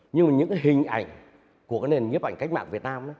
những cái hình ảnh của cái nền nhiếp ảnh cách mạng việt nam